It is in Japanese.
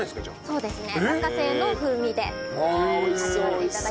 そうですね。